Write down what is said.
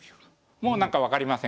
もうなんか分かりません？